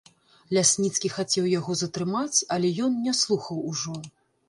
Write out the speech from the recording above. Лясніцкі хацеў яго затрымаць, але ён не слухаў ужо.